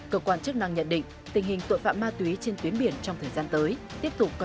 cơ quan chức năng nhận định tình hình tội phạm ma túy trên tuyến biển trong thời gian tới tiếp tục có